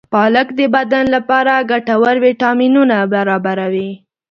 پالک د بدن لپاره ګټور ویټامینونه برابروي.